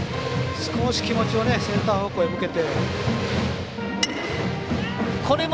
少し気持ちをセンター方向に向けて。